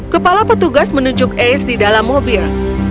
kepala petugas menunjuk ace di dalam mobil